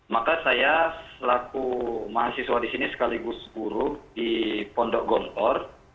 maka saya selaku mahasiswa di sini sekaligus guru di pondok gontor